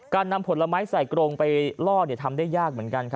การนำผลไม้ใส่กรงไปล่อทำได้ยากเหมือนกัน